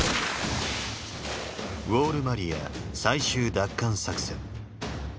ウォール・マリア最終奪還作戦。